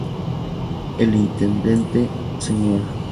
El Intendente Sr.